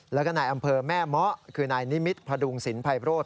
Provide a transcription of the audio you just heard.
แล้วก็นายอำเภอแม่เมาะคือนายนิมิตพดุงศิลปภัยโรธ